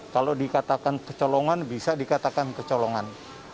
kalau dikatakan kecolongan bisa dikatakan kecolongan